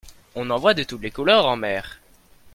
On en voit de toutes les couleurs en mer.